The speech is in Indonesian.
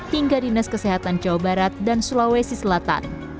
hingga dinas kesehatan jawa barat dan sulawesi selatan